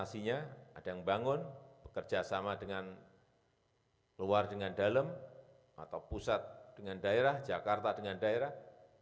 ada yang bangun bekerja sama dengan luar dengan dalam atau pusat dengan daerah jakarta dengan daerah